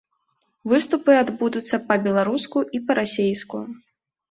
Выступы адбудуцца па-беларуску і па-расейску.